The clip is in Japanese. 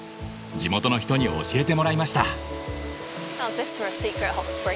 地元の人に教えてもらいました。